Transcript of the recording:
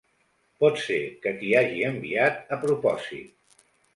Pot ser que t'hi hagi enviat a propòsit.